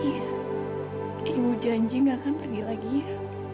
iya ibu janji gak akan pergi lagi ya